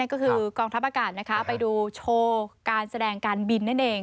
ก็คือกองทัพอากาศไปดูโชว์การแสดงการบินนั่นเอง